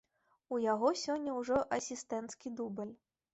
У яго сёння ўжо асістэнцкі дубль.